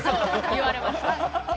言われました。